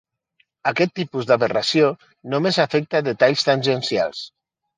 Aquest tipus d'aberració només afecta detalls tangencials.